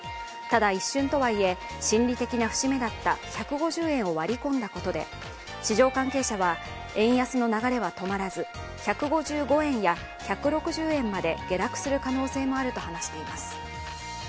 ただ、一瞬とはいえ心理的な節目だった１５０円を割り込んだことで市場関係者は円安の流れは止まらず１５５円や１６０円まで下落する可能性もあると話しています。